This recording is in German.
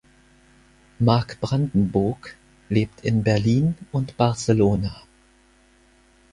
Marc Brandenburg lebt in Berlin und Barcelona.